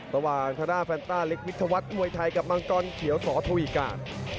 ต่างทดาแฟนต้าเล็กมิธวัตรมวยไทยกับมันกอนเขียวสทวิกา